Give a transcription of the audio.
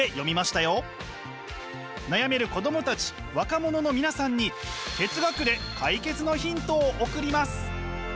悩める子どもたち若者の皆さんに哲学で解決のヒントを送ります！